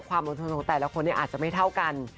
ความอดทนของแต่ละคนอาจจะไม่เท่ากัน